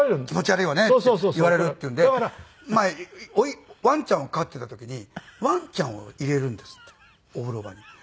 気持ち悪いわね」って言われるっていうんでワンちゃんを飼ってた時にワンちゃんを入れるんですってお風呂場に。